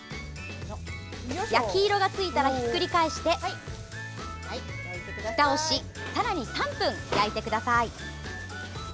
焼き色がついたらひっくり返して、ふたをしさらに３分焼いてください。